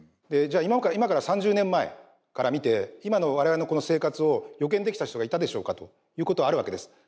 でじゃあ今から３０年前から見て今の我々のこの生活を予見できた人がいたでしょうかということはあるわけです。